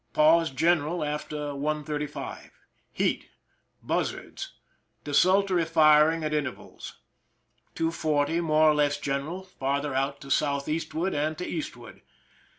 Pause general after 1 : 35. Heat. Buzzards. Desultory firing at inter vals. 2:40, more or less general— farther out to south eastward and to eastward.